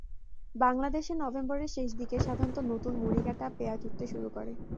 বাংলাদেশে নভেম্বরের শেষ দিকে সাধারণত নতুন মুড়িকাটা পেঁয়াজ উঠতে শুরু করে।